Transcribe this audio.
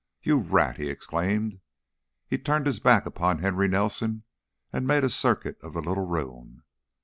"You rat!" he exclaimed. He turned his back upon Henry Nelson and made a circuit of the little room.